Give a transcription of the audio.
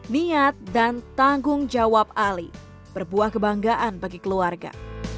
niat dan tanggung jawab ali berbuah kebanggaan bagi keluarga